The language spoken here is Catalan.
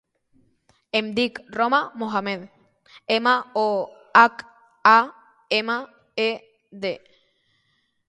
Em dic Roma Mohamed: ema, o, hac, a, ema, e, de.